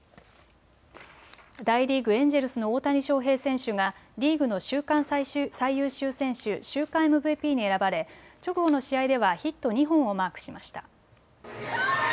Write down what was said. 大リーグ、エンジェルスの大谷翔平選手がリーグの週間最優秀選手・週間ＭＶＰに選ばれ直後の試合ではヒット２本をマークしました。